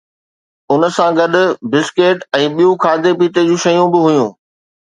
ان سان گڏ بسڪيٽ ۽ ٻيون کاڌي پيتي جون شيون به هيون